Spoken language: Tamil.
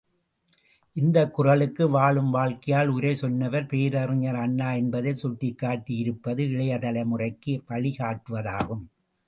இந்தக் குறளுக்கு வாழும் வாழ்க்கையால் உரை சொன்னவர் பேரறிஞர் அண்ணா என்பதைச் சுட்டிக்காட்டி இருப்பது இளைய தலைமுறைக்கு வழிகாட்டுவதாகும்.